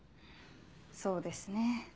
そうですねぇ。